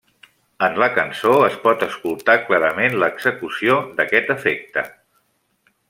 En la cançó es pot escoltar clarament l'execució d'aquest efecte.